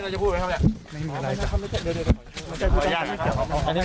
หลวงพี่มีอะไรจะพูดไหมครับเนี่ยไม่มีอะไรครับเดี๋ยวเดี๋ยว